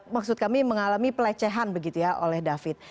maksud kami mengalami pelecehan begitu ya oleh david